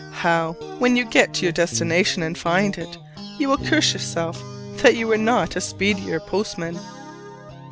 How, when you get to your destination and find it, you will curse yourself that you were not a speedier postman!